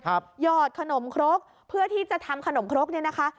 หยอดขนมครกเพื่อที่จะทำขนมครกเนี่ยนะคะ